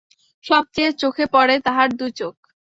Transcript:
সব চেয়ে চোখে পড়ে তাহার দুই চোখ।